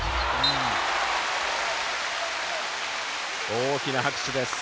大きな拍手です。